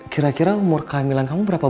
kira kira umur kehamilan kamu berapa